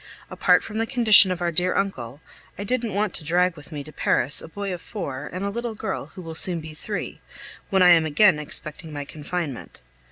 Apart from the condition of our dear uncle, I didn't want to drag with me to Paris a boy of four and a little girl who will soon be three, when I am again expecting my confinement.